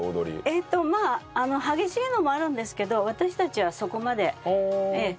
えっとまあ激しいのもあるんですけど私たちはそこまでええ。